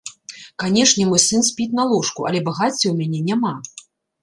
Канечне, мой сын спіць на ложку, але багацця ў мяне няма.